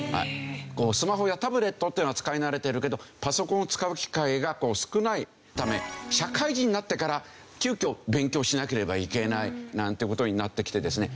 スマホやタブレットっていうのは使い慣れてるけどパソコンを使う機会が少ないため社会人になってから急きょ勉強しなければいけないなんて事になってきてですね。